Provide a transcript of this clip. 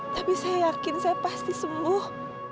tapi saya yakin saya pasti sembuh